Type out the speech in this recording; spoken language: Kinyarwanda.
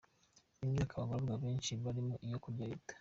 Imyaka abagororwa benshi barimo ni iyo kurya leta.